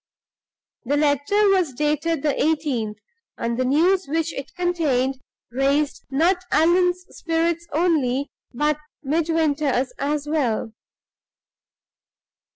The letter was dated the 18th, and the news which it contained raised not Allan's spirits only, but Midwinter's as well.